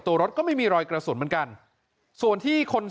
ส่งมาขอความช่วยเหลือจากเพื่อนครับ